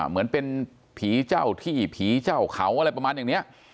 เหมือนเป็นผีเจ้าที่ผีเจ้าเขาอะไรประมาณอย่างนี้